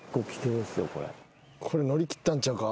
これ乗り切ったんちゃうか？